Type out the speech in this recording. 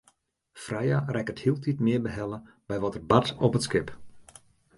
Freya rekket hieltyd mear behelle by wat der bart op it skip.